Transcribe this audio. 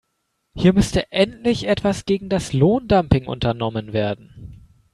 Hier müsste endlich etwas gegen das Lohndumping unternommen werden.